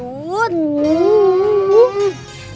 udah mau muntut